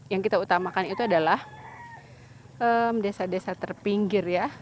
yang kita utamakan itu adalah desa desa terpinggir ya